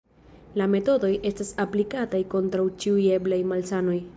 La metodoj estas aplikataj kontraŭ ĉiuj eblaj malsanoj.